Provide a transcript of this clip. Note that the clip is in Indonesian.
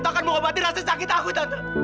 takkan mengobati rasa sakit aku tante